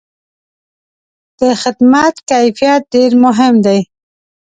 د خدمت کیفیت ډېر مهم دی.